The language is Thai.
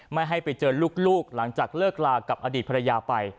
ไม่ให้ไปเจอลูกหลังจากเลิกลากับอดีตภรรยาไป